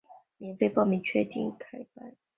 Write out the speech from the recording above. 免费报名，确定开班